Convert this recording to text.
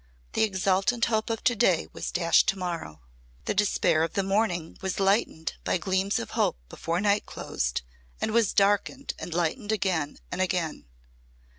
The exultant hope of to day was dashed to morrow. The despair of the morning was lightened by gleams of hope before night closed, and was darkened and lightened again and again.